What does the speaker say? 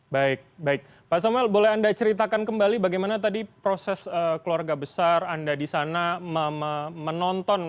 baik baik pak samuel boleh anda ceritakan kembali bagaimana tadi proses keluarga besar anda di sana menonton